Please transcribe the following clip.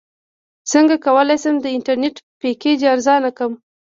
څنګه کولی شم د انټرنیټ پیکج ارزانه کړم